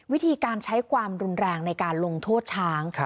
วิธีการใช้ความรุนแรงในการลงโทษช้าง